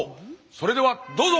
それではどうぞ！